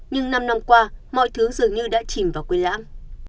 nhưng năm năm qua mọi thứ dường như đã chìm vào quy lãm